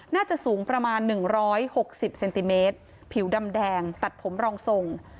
น่าจะสูงประมาณหนึ่งร้อยหกสิบเซนติเมตรผิวดำแดงตัดผมรองทรง